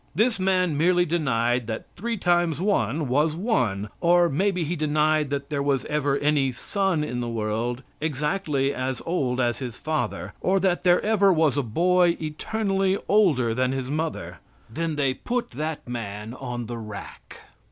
This man merely denied that three times one was one, or maybe he denied that there was ever any Son in the world exactly as old as his father, or that there ever was a boy eternally older than his mother then they put that man on the rack.